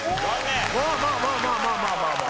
まあまあまあまあまあまあまあまあ。